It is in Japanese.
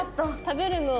食べるの。